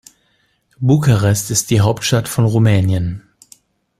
Bukarest ist die Hauptstadt von Rumänien.